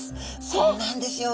そうなんですよ。